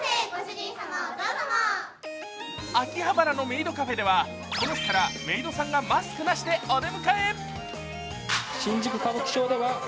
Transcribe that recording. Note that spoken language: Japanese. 秋葉原のメイドカフェではこの日からメイドさんがマスクなしでお出迎え！